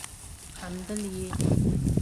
خندل يې.